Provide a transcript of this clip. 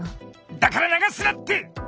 だから流すなって！